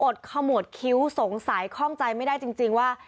ดขมวดคิ้วสงสัยข้องใจไม่ได้จริงว่า